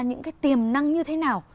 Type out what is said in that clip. những cái tiềm năng như thế nào